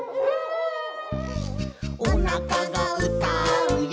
「おなかがうたうよ」